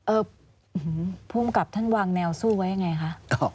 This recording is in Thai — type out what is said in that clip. ภูมิกับท่านวางแนวสู้ไว้ยังไงคะ